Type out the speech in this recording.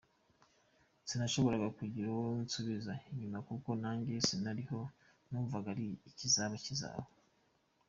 Sinashoboraga kugira uwo nsubiza inyuma kuko nanjye sinariho numvaga ko ikizaba kizaba.